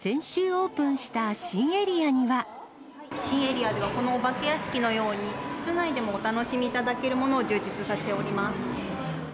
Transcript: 新エリアでは、このお化け屋敷のように、室内でもお楽しみいただけるものを充実させております。